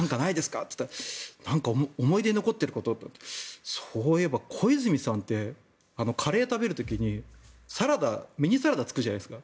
っていったら思い出に残ってることっていわれてそういえば小泉さんってカレーを食べる時にミニサラダがつくじゃないですか。